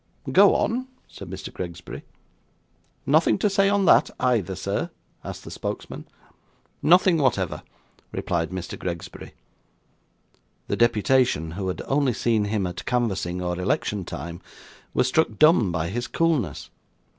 'Go on,' said Mr. Gregsbury. 'Nothing to say on that, either, sir?' asked the spokesman. 'Nothing whatever,' replied Mr. Gregsbury. The deputation, who had only seen him at canvassing or election time, were struck dumb by his coolness.